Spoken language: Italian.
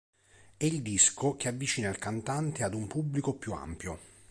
È il disco che avvicina il cantante ad un pubblico più ampio.